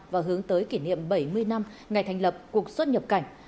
và hướng tới kỷ niệm bảy mươi năm ngày thành lập cục xuất nhập cảnh